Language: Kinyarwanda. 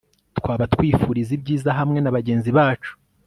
twaba twifuriza ibyiza hamwe na bagenzi bacu